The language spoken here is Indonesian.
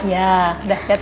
iya dah hati hati